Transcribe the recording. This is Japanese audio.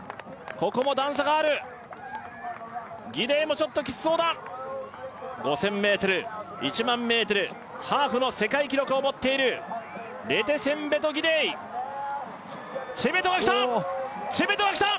ここも段差があるギデイもちょっときつそうだ５０００ｍ１００００ｍハーフの世界記録を持っているレテセンベト・ギデイチェベトが来たチェベトが来た！